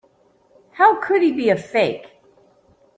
How could he be a fake?